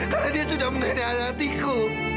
karena dia sudah menganyatiku